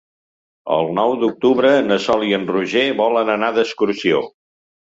El nou d'octubre na Sol i en Roger volen anar d'excursió.